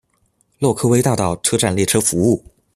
洛克威大道车站列车服务。